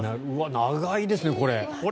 長いですね、これ。